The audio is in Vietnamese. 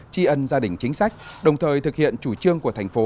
tri ân gia đình chính sách đồng thời thực hiện chủ trương của thành phố